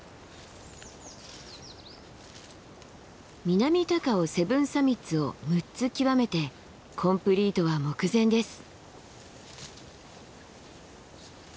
南高尾セブンサミッツを６つ極めてコンプリートは目前です。